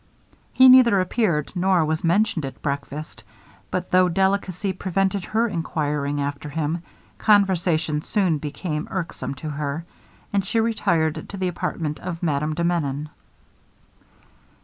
He neither appeared nor was mentioned at breakfast; but though delicacy prevented her enquiring after him, conversation soon became irksome to her, and she retired to the apartment of Madame de Menon.